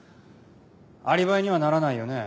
アリバイにはならないよね。